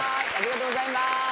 ありがとうございます。